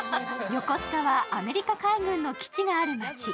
横須賀はアメリカ海軍の基地がある街。